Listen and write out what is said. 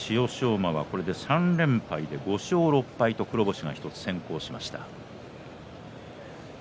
馬は３連敗で５勝６敗と黒星が１つ先行しました。